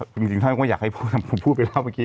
จริงท่านก็อยากให้ผมพูดไปแล้วเมื่อกี้